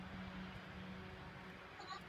它的对偶多面体是小斜方截半二十面体。